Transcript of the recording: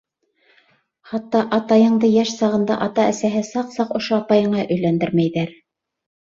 Хатта атайыңды йәш сағында ата-әсәһе саҡ-саҡ ошо апайыңа өйләндермәйҙәр.